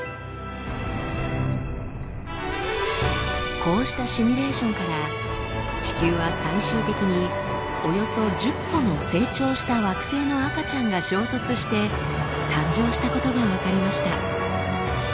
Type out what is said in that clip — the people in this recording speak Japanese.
こうしたシミュレーションから地球は最終的におよそ１０個の成長した惑星の赤ちゃんが衝突して誕生したことが分かりました。